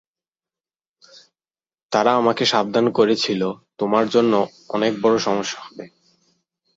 তারা আমাকে সাবধান করেছিল তোমার জন্য অনেক বড় সমস্যা হবে।